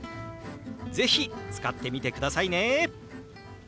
是非使ってみてくださいね！